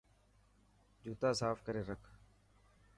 جوتا صاف ڪري رک.